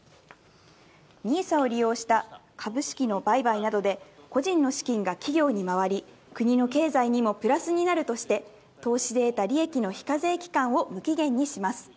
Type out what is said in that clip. ＮＩＳＡを利用した株式の売買などで、個人の資金が企業に回り、国の経済にもプラスになるとして、投資で得た利益の非課税期間を無期限にします。